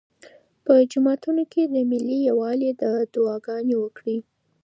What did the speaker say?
په جوماتونو کې د ملي یووالي دعاګانې وکړئ.